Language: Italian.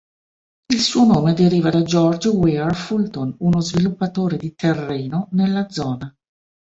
Il suo nome deriva da George Ware Fulton, uno sviluppatore di terreno nella zona.